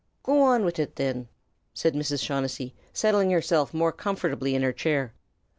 "Go an wid it, thin!" said Mrs. O'Shaughnessy, settling herself more comfortably in her chair.